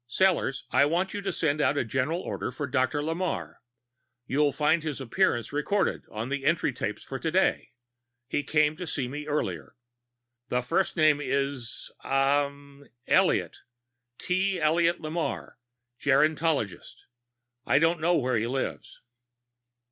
"Sellors, I want you to send out a general order for a Dr. Lamarre. You'll find his appearance recorded on the entrance tapes for today; he came to see me earlier. The first name is ah Elliot. T. Elliot Lamarre, gerontologist. I don't know where he lives."